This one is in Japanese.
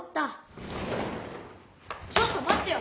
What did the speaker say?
ちょっとまってよ！